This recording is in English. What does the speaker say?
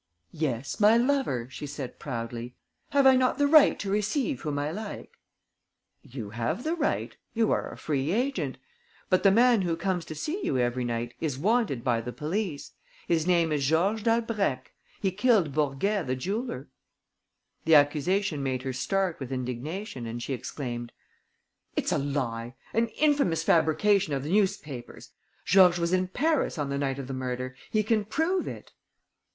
"Yes, my lover," she said, proudly. "Have I not the right to receive whom I like?" "You have the right; you are a free agent. But the man who comes to see you every evening is wanted by the police. His name is Georges Dalbrèque. He killed Bourguet the jeweller." The accusation made her start with indignation and she exclaimed: "It's a lie! An infamous fabrication of the newspapers! Georges was in Paris on the night of the murder. He can prove it."